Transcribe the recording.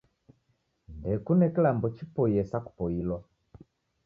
Ndekune kilambo chipoiye sa kupoilwa